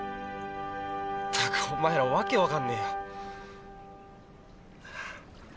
ったくお前ら訳分かんねえよ。